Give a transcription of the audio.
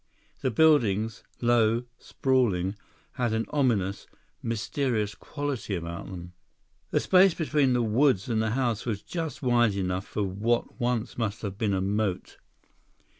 The buildings, low, sprawling, had an ominous, mysterious quality about them. The space between the woods and the house was just wide enough for what once must have been a moat.